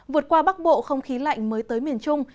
vượt qua bắc bộ không khí lạnh mới tới miền trung